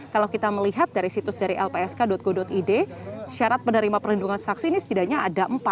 kalau kita melihat dari situs dari lpsk go id syarat menerima perlindungan saksi ini setidaknya ada empat